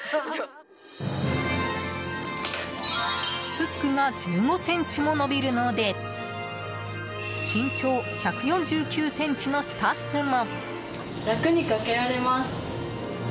フックが１５ｃｍも伸びるので身長１４９ｃｍのスタッフも。